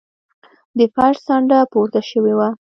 د فرش څنډه پورته شوې وه.